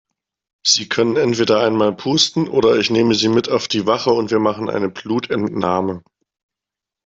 Sie können entweder einmal pusten oder ich nehme Sie mit auf die Wache und wir machen eine Blutentnahme.